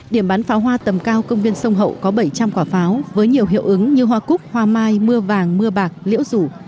điểm bắn pháo hoa tầm cao công viên sông hậu có bảy trăm linh quả pháo với nhiều hiệu ứng như hoa cúc hoa mai mưa vàng mưa bạc liễu rủ